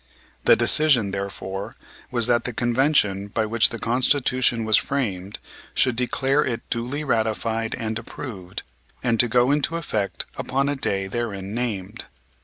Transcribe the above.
The decision, therefore, was that the Convention by which the Constitution was framed should declare it duly ratified and approved, and to go into effect upon a day therein named.